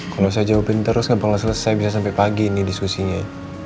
kalau saya jawabin terus nggak boleh selesai bisa sampai pagi ini diskusinya